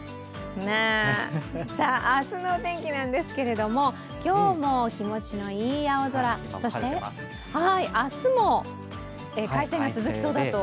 明日の天気なんですけれども今日も気持ちのいい青空、そして明日も快晴が続きそうだと。